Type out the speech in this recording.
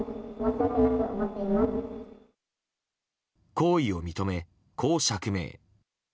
行為を認め、こう釈明。